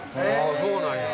そうなんや。